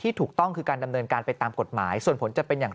ถูกต้องคือการดำเนินการไปตามกฎหมายส่วนผลจะเป็นอย่างไร